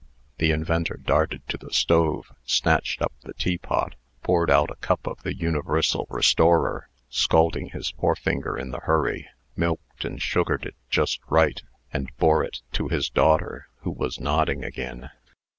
The inventor darted to the stove, snatched up the teapot, poured out a cup of the universal restorer, scalding his forefinger in the hurry, milked and sugared it just right, and bore it to his daughter, who was nodding again.